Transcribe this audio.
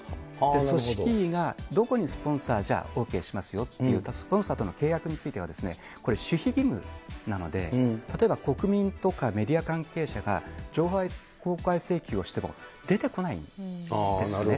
組織委がどこにスポンサー、じゃあ、ＯＫしますよと言うと、スポンサーとの契約については、守秘義務なので、例えば国民とかメディア関係者が、情報公開請求しても出てこないんですね。